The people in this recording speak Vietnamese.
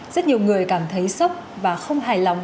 rất nhiều người cảm thấy sốc và không hài lòng